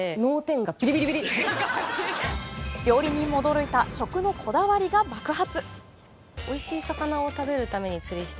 料理人も驚いた、食のこだわりが爆発。